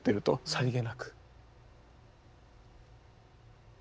さりげなく。